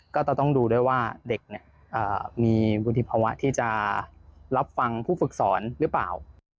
ก็จะต้องดูด้วยว่าเด็กมีวุฒิภาวะที่จะรับฟังผู้ฝึกสอนหรือเปล่า